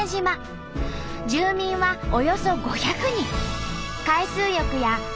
住民はおよそ５００人。